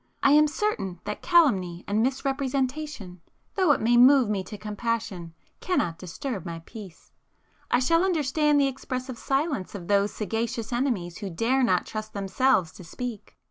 I am certain that calumny and misrepresentation, though it may move me to compassion cannot disturb my peace. I shall understand the expressive silence of those sagacious enemies who dare not trust themselves to speak.